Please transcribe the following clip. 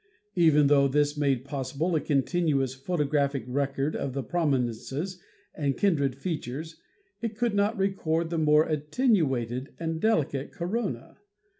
Even though this made possible a continuous photographic record of the prominences and kindred fea tures it could not record the more attenuated and delicate corona.